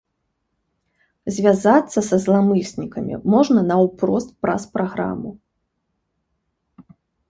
Звязацца са зламыснікамі можна наўпрост праз праграму.